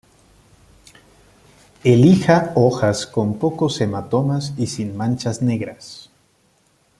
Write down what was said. Elija hojas con pocos hematomas y sin manchas negras.